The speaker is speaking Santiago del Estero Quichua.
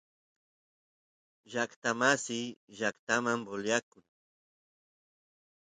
llaqtamasiy llaqtaman voliyakun